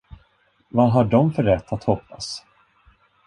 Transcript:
Vad har de för rätt att hoppas?